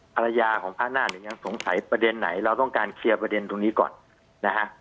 ภรรยาของพระนาฏเนี่ยยังสงสัยประเด็นไหนเราต้องการเคลียร์ประเด็นตรงนี้ก่อนนะฮะ